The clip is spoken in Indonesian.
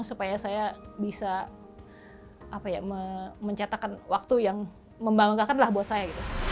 supaya saya bisa mencetakkan waktu yang membanggakan lah buat saya